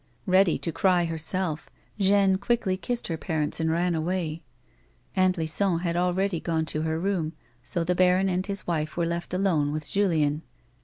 Ready to cry herself, Jeanne quickly kissed her parents and ran away. Aunt Lison had already gone to her room, so the baron and his wife were left alone with Julien.